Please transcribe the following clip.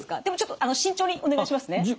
でもちょっと慎重にお願いしますね。